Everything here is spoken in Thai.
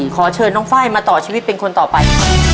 ขอเชิญน้องไฟล์มาต่อชีวิตเป็นคนต่อไปครับ